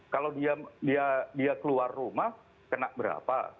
kalau dia keluar rumah kena berapa